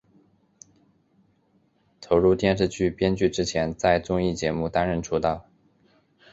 投入电视剧编剧之前在综艺节目担任出道。